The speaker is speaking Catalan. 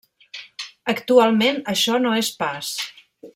Actualment això no és pas.